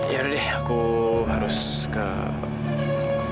ya udah deh aku harus ke